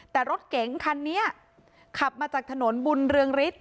แต่รถเก๋งคันนี้ขับมาจากถนนบุญเรืองฤทธิ